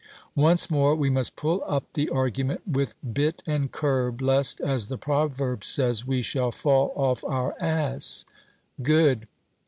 Once more we must pull up the argument with bit and curb, lest, as the proverb says, we should fall off our ass. 'Good.'